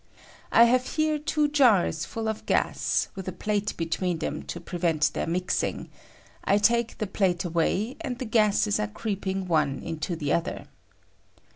I have here two jars full of gas, with a plate between them to pre tvent their mixing ; I take the plate away, and the gases are creeping one into the other.